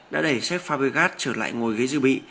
đã đẩy sepp fabregas trở lại ngồi ghế dư bị